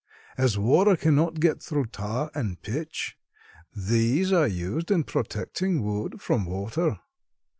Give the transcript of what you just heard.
"As water cannot get through tar and pitch, these are used in protecting wood from water.